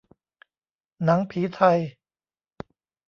หนังผีไทย